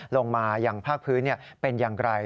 ลงมาอย่างภาคพื้นเป็นอย่างไร